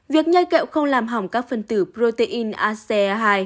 việc nhai kẹo không làm hỏng các phần tử protein ace hai